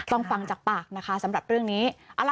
ฟังจากปากนะคะสำหรับเรื่องนี้